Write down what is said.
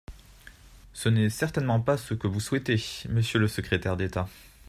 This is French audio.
Ce n’est certainement pas ce que vous souhaitez, monsieur le secrétaire d’État.